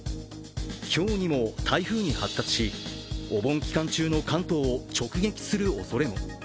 今日にも台風に発達し、お盆期間中の関東を直撃するおそれも。